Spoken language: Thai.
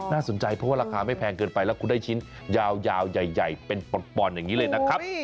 น่าสนใจเพราะว่าราคาไม่แพงเกินไปแล้วคุณได้ชิ้นยาวใหญ่เป็นป่อนอย่างนี้เลยนะครับ